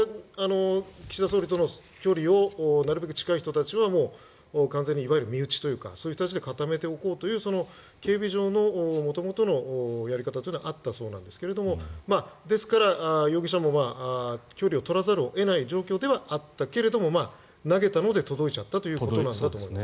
岸田総理との距離をなるべく近い人たちは完全に、いわゆる身内というかそういう人たちで固めておこうという警備上の元々のやり方というのはあったそうなんですがですから、容疑者も距離を取らざるを得ない状況ではあったけれども投げたので届いちゃったということだと思います。